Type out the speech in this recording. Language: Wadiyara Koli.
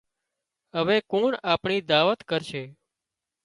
هوي ڪُوڻ آپڻي دعوت ڪرشي